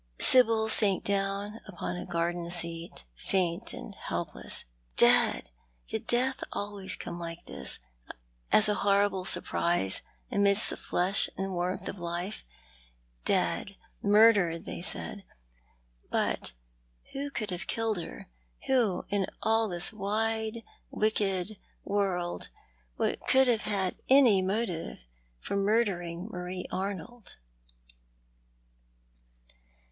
Sibyl sank upon a garden scat, faint and helpless. Dead ! Did Death always come like this, as a horrible surprise, amidst the flush and warmth of life ? Dead, murdered, they said. But who could have killed her — who, in all this wide, wicked world, could have had any motive for murdering Marie Arnold